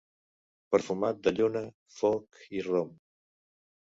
Perfumat de lluna, foc i rom.